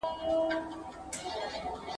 ولاتونه به سي ډک له جاهلانو !.